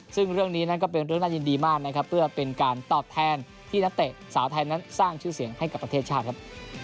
ซึ่งเรื่องนี้นั้นก็เป็นเรื่องน่ายินดีมากนะครับเพื่อเป็นการตอบแทนที่นักเตะสาวไทยนั้นสร้างชื่อเสียงให้กับประเทศชาติครับ